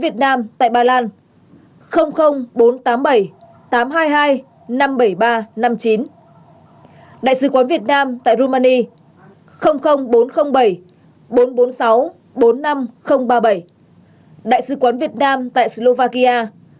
đại sứ quán việt nam tại slovakia